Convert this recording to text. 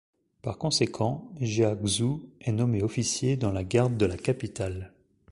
Par conséquent, Jia Xu est nommé officier dans la Garde de la Capitale.